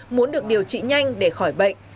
muốn được điều trị nhanh để khỏi bệnh